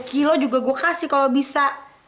dua puluh kilo juga gue kasih kalau bisa